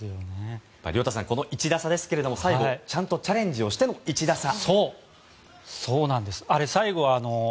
亮太さん１打差ですが最後、ちゃんとチャレンジしての１打差。